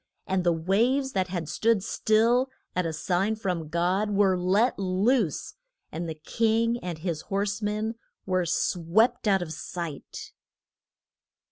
And the waves that had stood still at a sign from God were let loose, and the king and his horse men were swept out of sight.